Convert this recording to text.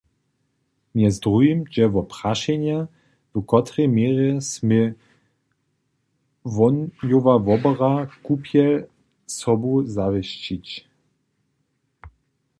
Mjez druhim dźe wo prašenje, w kotrej měrje smě wohnjowa wobora kupjel sobu zawěsćić.